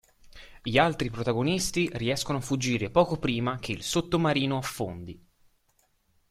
Gli altri protagonisti riescono a fuggire poco prima che il sottomarino affondi.